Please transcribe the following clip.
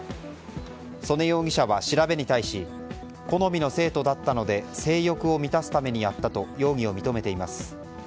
曽根容疑者は調べに対し好みの生徒だったので性欲を満たすためにやったと容疑を認めています。